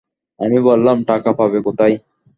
আমি বললাম, টাকা পাবে কোথায়?